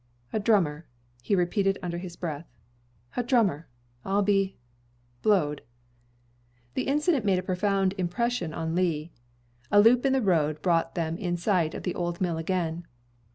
"A drummer!" he repeated under his breath. "A drummer! I'll be blowed!" The incident made a profound impression on Lee. A loop in the road brought them in sight of the old mill again.